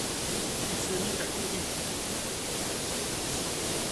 Il se mit à courir.